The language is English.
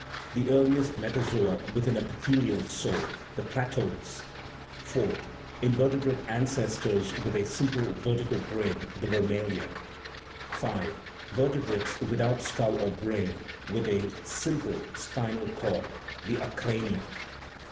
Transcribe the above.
The earliest metazoa with an epithelial soul: the platodes. THE PHYLOGENY OF THE SOUL IV. Invertebrate ancestors with a simple vertical brain : the vermalia. V. Vertebrates without skull or brain, with a simple spinal cord: the acrania.